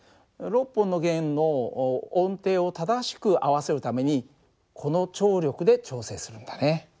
６本の弦の音程を正しく合わせるためにこの張力で調整するんだね。